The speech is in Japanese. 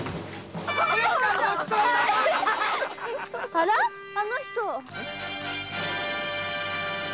あらあの人？